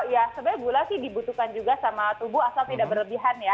ya sebenarnya gula sih dibutuhkan juga sama tubuh asal tidak berlebihan ya